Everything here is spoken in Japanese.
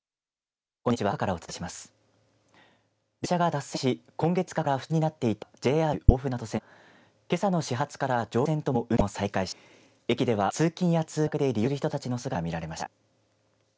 列車が脱線し、今月５日から不通になっていたＪＲ大船渡線はけさの始発から上下とも運転を再開し駅では、通勤や通学で利用する人たちの姿が見られました。